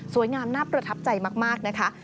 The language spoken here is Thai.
งามน่าประทับใจมากนะคะ